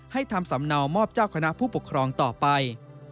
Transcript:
ทำสำเนามอบเจ้าคณะผู้ปกครองต่อไป